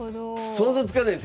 想像つかないですよね